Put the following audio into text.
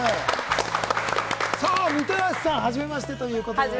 みたらしさん、はじめましてということで。